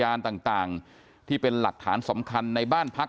นางนาคะนี่คือยน้องจีน่าคุณยายถ้าแท้เลย